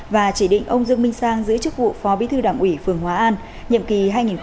và chỉ định ông dương minh sang giữ chức vụ phó bí thư đảng ủy phường hóa an nhiệm kỳ hai nghìn hai mươi hai nghìn hai mươi năm